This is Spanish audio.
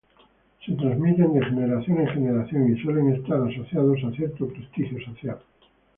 Se transmiten de generación en generación y suelen están asociados a cierto prestigio social.